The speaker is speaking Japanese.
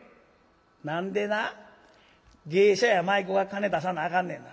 「何でな芸者や舞妓が金出さなあかんねんな。